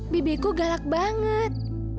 bibiku galak banget